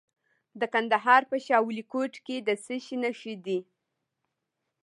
د کندهار په شاه ولیکوټ کې د څه شي نښې دي؟